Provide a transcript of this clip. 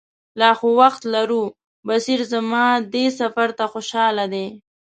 لا خو وخت لرو، بصیر زما دې سفر ته خوشاله دی.